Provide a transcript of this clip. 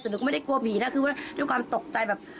แต่หนูก็ไม่ได้กลัวผีนะคือว่าด้วยความตกใจแบบ